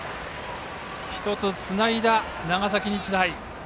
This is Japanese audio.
１つ、つないだ長崎日大。